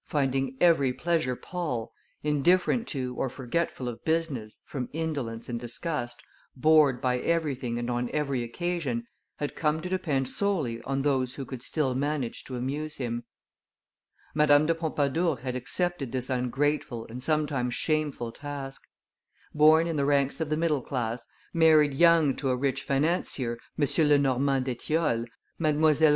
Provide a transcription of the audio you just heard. finding every pleasure pall, indifferent to or forgetful of business from indolence and disgust, bored by everything and on every occasion, had come to depend solely on those who could still manage to amuse him. [Illustration: Madame de Pompadour 215] Madame de Pompadour had accepted this ungrateful and sometimes shameful task. Born in the ranks of the middle class, married young to a rich financier, M. Lenormant d'Etioles, Mdlle.